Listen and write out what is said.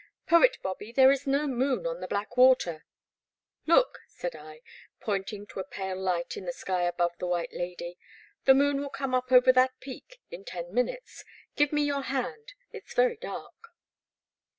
Poet Bobby, there is no moon on the Black Water. " Look, said I, pointing to a pale light in the sky above the White Lady, the moon will come up over that peak in ten minutes; give me your hand, it *s very dark.